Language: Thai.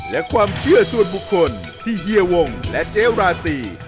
และความเชื่อส่วนบุคคลที่เฮียวงและเจ๊ราตรี